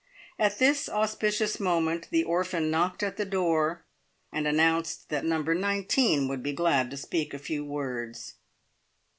At this auspicious moment the orphan knocked at the door and announced that Number 19 would be glad to speak a few words.